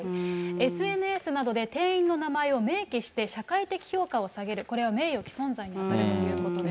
ＳＮＳなどで店員の名前を明記して、社会的評価を下げる、これは名誉棄損罪に当たるということです。